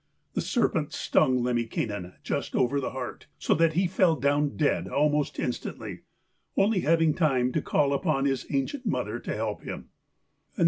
The serpent stung Lemminkainen just over the heart, so that he fell down dead almost instantly, only having time to call upon his ancient mother to help him.